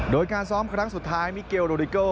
โดยการซ้อมครั้งสุดท้ายมิเกลโรดิโก